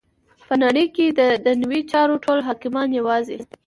په نړی کی چی ددنیوی چارو ټول حاکمان یواځی